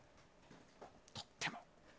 とっても。